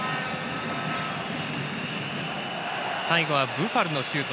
最後はブファルのシュート。